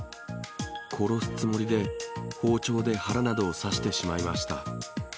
殺すつもりで、包丁で腹などを刺してしまいました。